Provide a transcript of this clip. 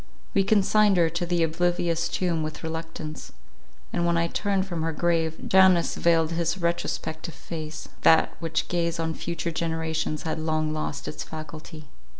We consigned her to the oblivious tomb with reluctance; and when I turned from her grave, Janus veiled his retrospective face; that which gazed on future generations had long lost its faculty.